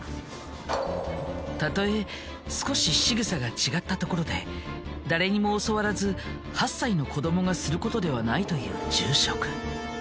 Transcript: たとえ少ししぐさが違ったところで誰にも教わらず８歳の子どもがすることではないという住職。